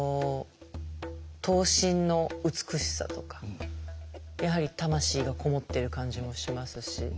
刀身の美しさとかやはり魂がこもってる感じもしますし。